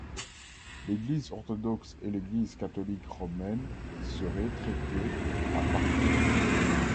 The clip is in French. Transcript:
L'Église orthodoxe et l'Église catholique romaine seraient traitées à parité.